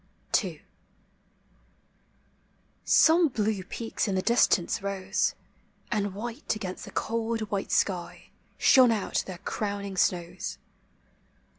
ii. Some blue peaks in the distance rose, And white against the cold white sky Shone out their crowning snows.